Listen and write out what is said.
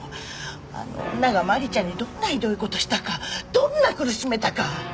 あの女が万里ちゃんにどんなひどい事したかどんなに苦しめたか！